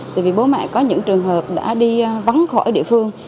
tại vì bố mẹ có những trường hợp đã đi vắng khỏi địa phương